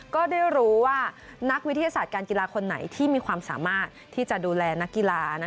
ก็ได้รู้ว่านักวิทยาศาสตร์การกีฬาคนไหนที่มีความสามารถที่จะดูแลนักกีฬา